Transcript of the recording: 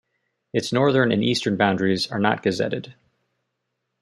Its northern and eastern boundaries are not gazetted.